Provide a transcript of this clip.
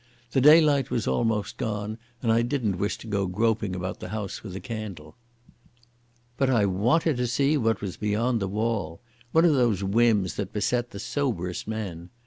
The daylight was almost gone, and I didn't wish to go groping about the house with a candle. But I wanted to see what was beyond the wall—one of those whims that beset the soberest men.